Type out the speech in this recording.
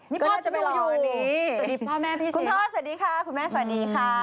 นี่พ่อจะไม่รออยู่นี่สวัสดีพ่อแม่พี่คุณพ่อสวัสดีค่ะคุณแม่สวัสดีค่ะ